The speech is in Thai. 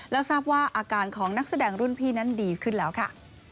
แล้วทราบว่าอาการของนักแสดงรุ่นพี่นั้นดีขึ้นแล้วค่ะ